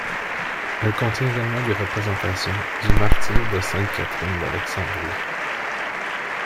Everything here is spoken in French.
Elle contient également des représentations du martyre de sainte Catherine d'Alexandrie.